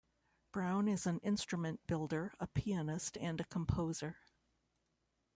Brown is an instrument builder, a pianist, and a composer.